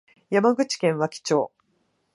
山口県和木町